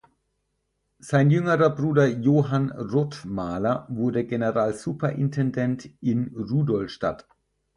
Sein jüngerer Bruder Johann Rothmaler wurde Generalsuperintendent in Rudolstadt.